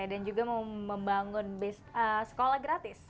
dan juga mau membangun sekolah gratis